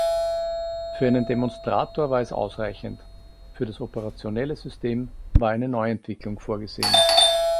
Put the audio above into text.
Für einen Demonstrator war es ausreichend, für das operationelle System war eine Neuentwicklung vorgesehen.